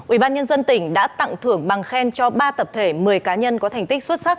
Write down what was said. ủy ban nhân dân tỉnh đã tặng thưởng bằng khen cho ba tập thể một mươi cá nhân có thành tích xuất sắc